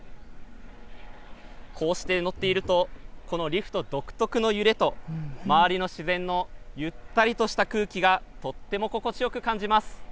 こうして乗っているとこのリフト独特の揺れと周りの自然のゆったりとした空気がとっても心地よく感じます。